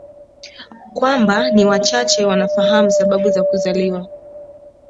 kwamba ni wachache wanafahamu sababu ya kuzaliwa